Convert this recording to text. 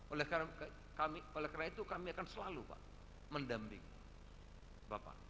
oleh karena itu kami akan selalu pak mendamping bapak